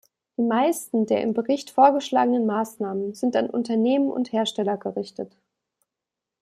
Die meisten der im Bericht vorgeschlagenen Maßnahmen sind an Unternehmen und Hersteller gerichtet.